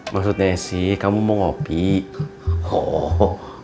maksudnya sih kamu mau ngopi oh